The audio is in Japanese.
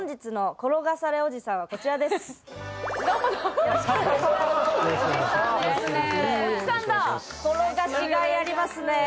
転がしがいありますね。